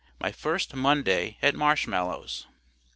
MY FIRST MONDAY AT MARSHMALLOWS.